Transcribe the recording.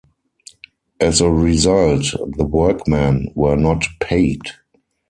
As a result, the workmen were not paid.